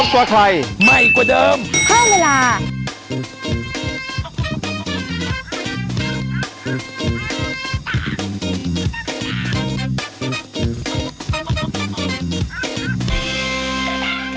โปรดติดตามตอนต่อไป